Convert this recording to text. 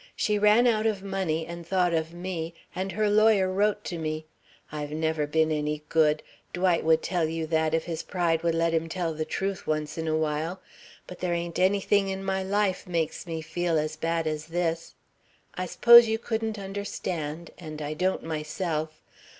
She ran out of money and thought of me, and her lawyer wrote to me.... I've never been any good Dwight would tell you that if his pride would let him tell the truth once in a while. But there ain't anything in my life makes me feel as bad as this.... I s'pose you couldn't understand and I don't myself....